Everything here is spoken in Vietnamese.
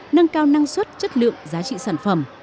nâng cao năng suất chất lượng giá trị sản phẩm